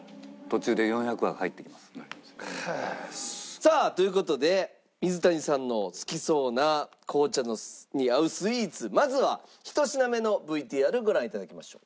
さあという事で水谷さんの好きそうな紅茶に合うスイーツまずは１品目のＶＴＲご覧頂きましょう。